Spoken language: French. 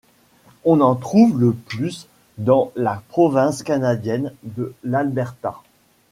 On en trouve le plus dans la province canadienne de l'Alberta.